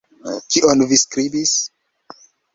Kion vi skribis?